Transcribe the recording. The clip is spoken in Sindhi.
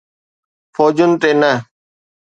فوجن تي نه.